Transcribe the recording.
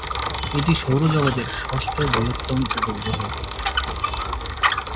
এটি সৌরজগৎের ষষ্ঠ বৃহত্তম উপগ্রহ।